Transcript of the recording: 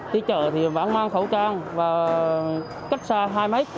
đi chợ thì vẫn mang khẩu trang và cách xa hai mét